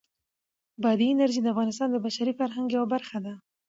بادي انرژي د افغانستان د بشري فرهنګ یوه برخه ده.